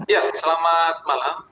ya selamat malam